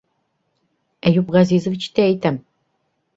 Әйүп Ғәзизовичты әйтәм...